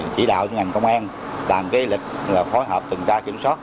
chỉ đạo cho ngành công an làm gây lịch phối hợp từng ca kiểm soát